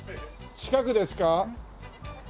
近くです。